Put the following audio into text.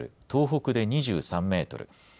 東北で２３メートル